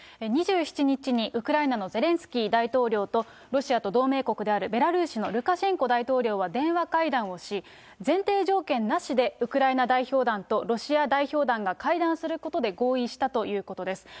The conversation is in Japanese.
２７日にウクライナのゼレンスキー大統領とロシアと同盟国であるベラルーシのルカシェンコ大統領は電話会談をし、前提条件なしでウクライナ代表団とロシア代表団が会談することで合意したということです。